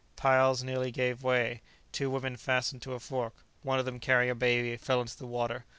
Piles nearly gave way; two women fastened to a fork; one of them, carrying a baby, fell into the water.